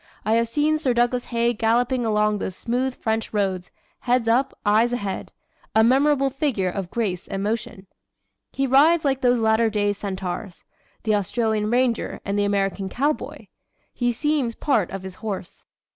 I have seen Sir Douglas Haig galloping along those smooth French roads, head up, eyes ahead a memorable figure of grace and motion. He rides like those latter day centaurs the Australian ranger and the American cowboy. He seems part of his horse."